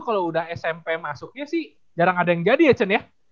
kalau udah smp masuknya sih jarang ada yang jadi ya chen ya